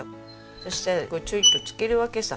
そしたらちょいとつけるわけさ。